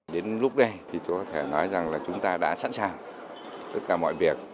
đến lúc đây thì có thể nói rằng là chúng ta đã sẵn sàng tất cả mọi việc